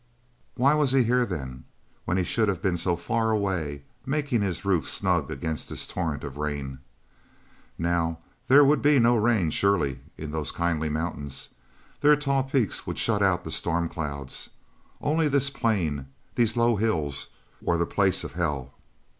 Why was he here, then, when he should have been so far away, making his roof snug against this torrent of rain. Now, there would be no rain, surely, in those kindly mountains. Their tall peaks would shut out the storm clouds. Only this plain, these low hills, were the place of hell!